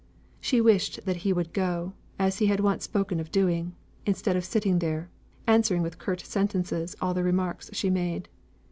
She wished that he would go, as he had once spoken of doing, instead of sitting there, answering with curt sentences all the remarks she made.